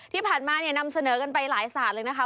ที่ผ่านมาเนี่ยนำเสนอกันไปหลายศาสตร์เลยนะคะ